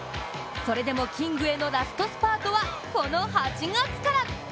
それでもキングへのラストスパートはこの８月から。